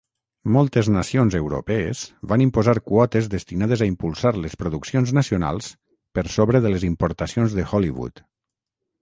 Moltes nacions europees van imposar quotes destinades a impulsar les produccions nacionals per sobre de les importacions de Hollywood.